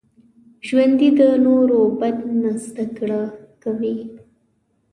ژوندي د نورو بد نه زده کړه کوي